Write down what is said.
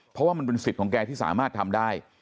เพราะว่ามันเป็นสิทธิ์ของแกที่สามารถทำได้